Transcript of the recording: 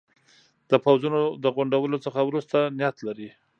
د پوځونو د غونډولو څخه وروسته نیت لري.